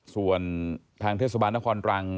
ส่วนทางเทศบาลนครรัง